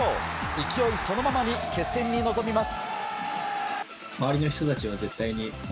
勢いそのままに決戦に臨みます。